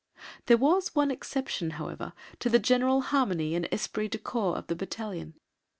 There was one exception, however, to the general harmony and esprit de corps of the battalion.